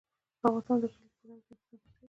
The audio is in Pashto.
افغانستان د کلي د پلوه ځانته ځانګړتیا لري.